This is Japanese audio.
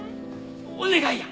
お願いや！